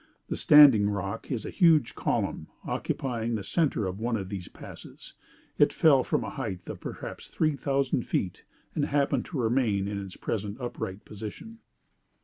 The 'standing rock' is a huge column, occupying the centre of one of these passes. It fell from a height of perhaps 3,000 feet, and happened to remain in its present upright position.